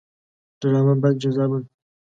ډرامه باید جذابه وي